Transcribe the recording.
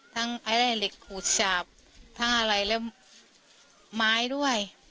ทั้งไอไลน์เหล็กขูดฉาบทั้งอะไรแล้วไม้ด้วย